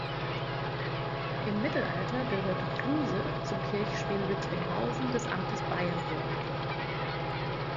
Im Mittelalter gehörte Cluse zum Kirchspiel Lüttringhausen des Amtes Beyenburg.